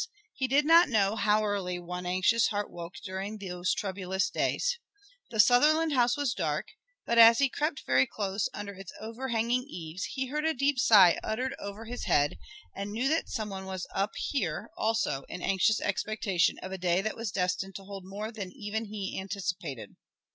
he did not know how early one anxious heart woke during those troublous days. The Sutherland house was dark, but as he crept very close under its overhanging eaves he heard a deep sigh uttered over his head, and knew that someone was up here also in anxious expectation of a day that was destined to hold more than even he anticipated.